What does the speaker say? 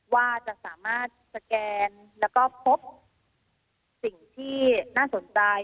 ว่าจะสามารถสแกนแล้วก็พบสิ่งที่น่าสนใจ